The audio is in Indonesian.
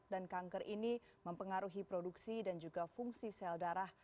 dan kanker ini mempengaruhi produksi dan juga fungsi sel darah